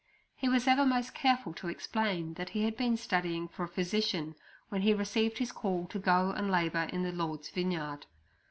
He was ever most careful to explain that he had been studying for a physician when he received his call to go and labour in the Lord's vineyard.